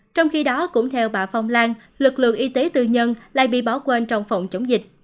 trong khi đó cũng theo bà phong lan lực lượng y tế tư nhân lại bị bỏ quên trong phòng chống dịch